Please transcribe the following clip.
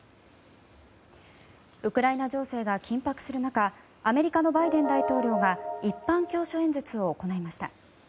ウクライナ情勢が緊迫する中アメリカのバイデン大統領が一般教書演説を行いました。